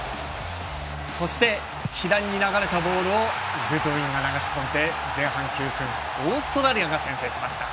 そして、左に流れたボールをグッドウィンが流し込んで前半９分オーストラリアが先制しました。